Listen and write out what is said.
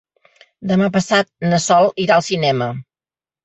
Demà passat na Sol irà al cinema.